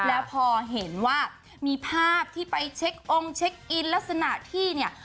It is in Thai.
แล้วพอเห็นว่ามีภาพที่ไปเช็คองค์เช็คอินลักษณะที่เนี่ย